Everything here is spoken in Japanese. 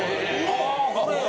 あこれや。